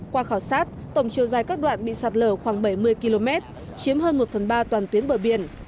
qua khảo sát tổng chiều dài các đoạn bị sạt lở khoảng bảy mươi km chiếm hơn một phần ba toàn tuyến bờ biển